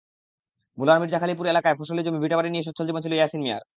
ভোলার মির্জাখালিপুর এলাকায় ফসলি জমি, ভিটেবাড়ি নিয়ে সচ্ছল জীবন ছিল ইয়াসিন মিয়ার।